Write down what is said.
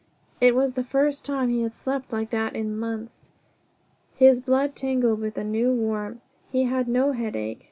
It was the first time he had slept like that in months. His blood tingled with a new warmth. He had no headache.